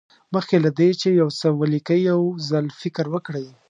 مخکې له دې چې یو څه ولیکئ یو ځل فکر وکړئ.